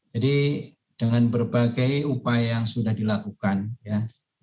jadi dengan berbagai upaya yang sudah dilakukan ya